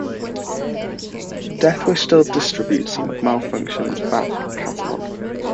Deathwish still distributes some of Malfunction's back catalog.